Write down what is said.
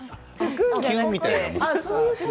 キュンみたいな？